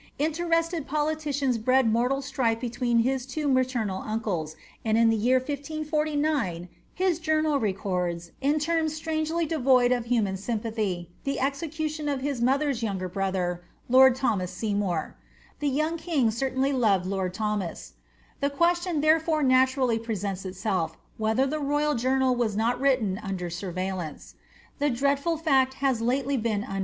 Interested politicians bred mortal strife between his two maternal uncles, and in the year 1 549 his journal records, in terms strangely de void of human sympathy, the execution of his mother's younger brother, lord Thomas Seymour. The young king certainly loved lord Thomas; the question tlierefore naturally presents itself, whether the royal journal was not written under surveillance. The dreadful fact has lately been * State Papers, pp. 586, 587. *This Journal of Edward VI.